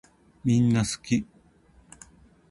みんなすき